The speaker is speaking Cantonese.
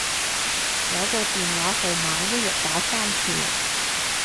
有個電話號碼一日打三次嚟